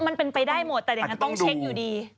มันเป็นไปได้หมดแต่อย่างนั้นต้องเช็คอยู่ดี